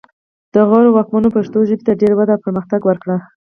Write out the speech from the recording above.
د غور واکمنو پښتو ژبې ته ډېره وده او پرمختګ ورکړ